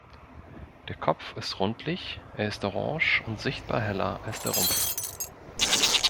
Der Kopf ist rundlich, er ist orange und sichtbar heller als der Rumpf.